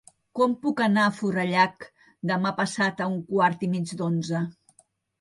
Com puc anar a Forallac demà passat a un quart i mig d'onze?